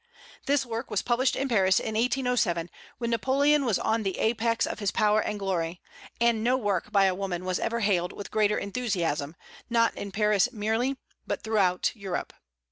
This work was published in Paris in 1807, when Napoleon was on the apex of his power and glory; and no work by a woman was ever hailed with greater enthusiasm, not in Paris merely, but throughout Europe.